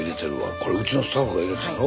これうちのスタッフがいれたんやろ？